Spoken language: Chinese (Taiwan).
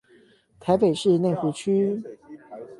台北市內湖區